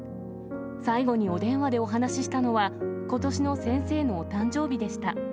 最後にお電話でお話したのは、ことしの先生のお誕生日でした。